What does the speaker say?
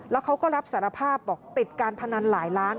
แล้วเขาก็รับสารภาพบอกติดการพนันหลายล้าน